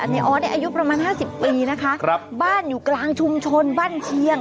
ในออสเนี่ยอายุประมาณ๕๐ปีนะคะครับบ้านอยู่กลางชุมชนบ้านเชียง